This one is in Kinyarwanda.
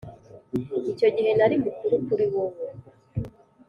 icyo gihe nari mukuru kuri wowe.